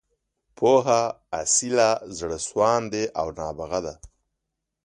پوهه، اصیله، زړه سواندې او نابغه ده.